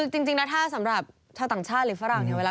จริงนะถ้าสำหรับชาวต่างชาติหรือฝรั่งเนี่ยเวลา